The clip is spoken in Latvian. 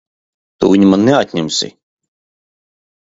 Tu viņu man neatņemsi!